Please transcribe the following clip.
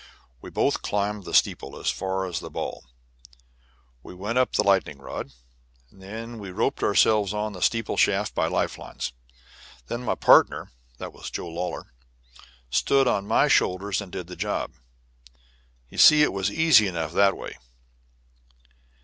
We both climbed the steeple as far as the ball; we went up the lightning rod; then we roped ourselves on the steeple shaft by life lines, and then my partner, that was Joe Lawlor, stood on my shoulders and did the job. You see it was easy enough that way."